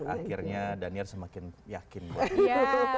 akhirnya daniel semakin yakin buat kita